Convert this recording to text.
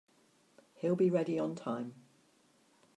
He'll be ready on time.